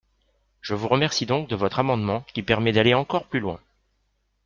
Je vous remercie donc de votre amendement qui permet d’aller encore plus loin.